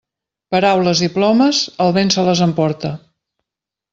Paraules i plomes, el vent se les emporta.